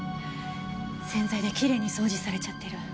洗剤できれいに掃除されちゃってる。